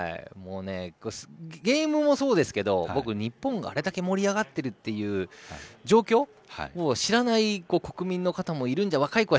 ゲームもそうですけど日本があれだけ盛り上がっている状況を知らない国民の方もいるんじゃないかと。